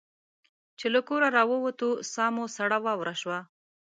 چې له کوره را ووتو ساه مو سړه واوره شوه.